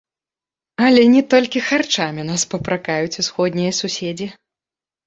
Але не толькі харчамі нас папракаюць усходнія суседзі.